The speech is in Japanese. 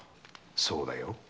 そうだよ。